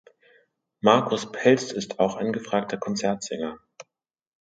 Marcus Pelz ist auch ein gefragter Konzertsänger.